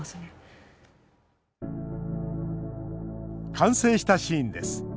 完成したシーンです。